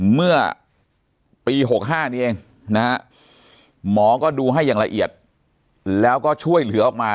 เมื่อปี๖๕นี้เองนะฮะหมอก็ดูให้อย่างละเอียดแล้วก็ช่วยเหลือออกมา